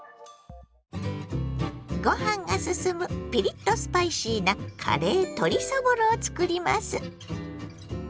ご飯がすすむピリッとスパイシーなカレー鶏そぼろをつくります。